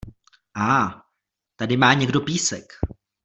Áá, tady má někdo písek.